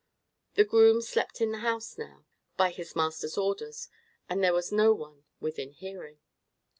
The groom slept in the house now, by his master's orders, and there was no one within hearing.